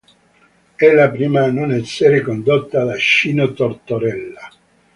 È la prima a non essere condotta da Cino Tortorella.